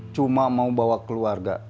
cuma mau bawa keluarga